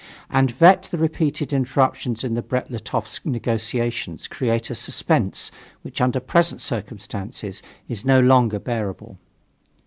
And vet the repeated interruptions in the Brest Litovsk negotiations create a suspense which, under present circumstances, is no longer bearable.